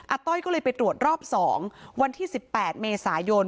ต้อยก็เลยไปตรวจรอบ๒วันที่๑๘เมษายน